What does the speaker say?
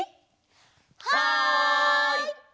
はい！